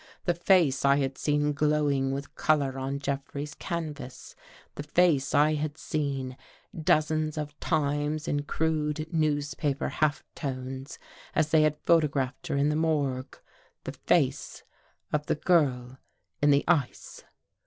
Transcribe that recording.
The face I had seen glowing with color on Jeffrey's canvas — the face I had seen dozens of times in crude newspaper half tones, as they had photographed her in the morgue — the face of the girl In the ice.